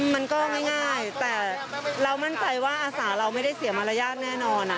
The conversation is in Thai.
มันก็ง่ายแต่เรามั่นใจว่าอาสาเราไม่ได้เสียมารยาทแน่นอน